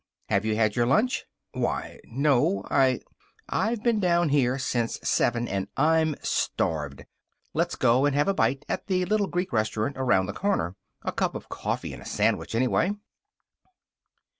"Have you had your lunch?" "Why, no; I " "I've been down here since seven, and I'm starved. Let's go and have a bite at the little Greek restaurant around the corner. A cup of coffee and a sandwich, anyway."